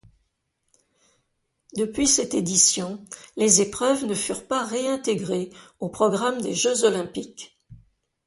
Depuis cette édition, les épreuves ne furent pas réintégrées au programme des Jeux olympiques.